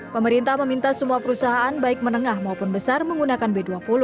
pemerintah meminta semua perusahaan baik menengah maupun besar menggunakan b dua puluh